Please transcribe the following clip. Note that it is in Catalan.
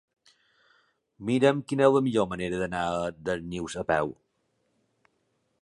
Mira'm quina és la millor manera d'anar a Darnius a peu.